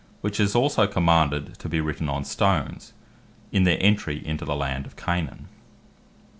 which was also commanded to be written on stones, in their entry into the land of Canaan.